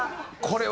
これ。